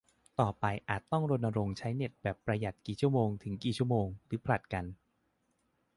ต่อไปอาจต้องรณรงค์ใช้เน็ตแบบประหยัดกี่โมงถึงกี่โมง หรือผลัดกัน